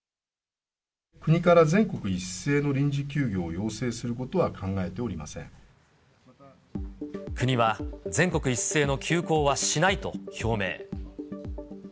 国から全国一斉の臨時休業を国は、全国一斉の休校はしないと表明。